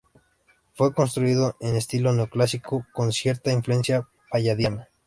Fue construido en estilo neoclásico con cierta influencia palladiana.